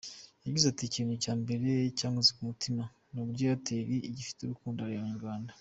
Yagize ati “Ikintu cya mbere cyankoze ku mutima ni uburyo Airtel ifitiye urukundo abanyarwanda.